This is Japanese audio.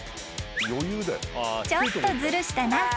［ちょっとずるしたな。